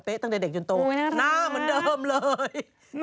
ตั้งแต่เด็กจนโตหน้าเหมือนเดิมเลย